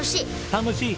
楽しい？